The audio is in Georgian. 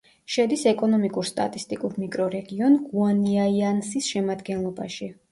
შედის ეკონომიკურ-სტატისტიკურ მიკრორეგიონ გუანიაინსის შემადგენლობაში.